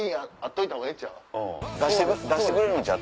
出してくれるんちゃう？